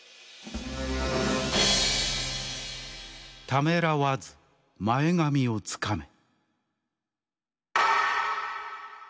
「ためらわず前髪をつかめ！」。